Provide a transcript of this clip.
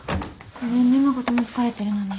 ごめんね誠も疲れてるのに。